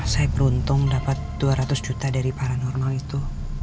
saya beruntung dapat dua ratus juta dari paranormal itu